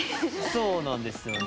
そうなんですよね。